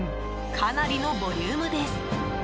かなりのボリュームです。